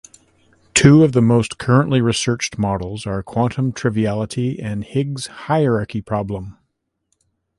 Two of the most currently researched models are Quantum triviality, and Higgs hierarchy problem.